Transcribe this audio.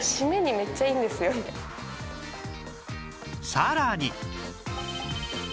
さらに